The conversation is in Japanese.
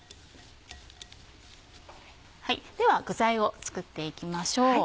では具材を作っていきましょう。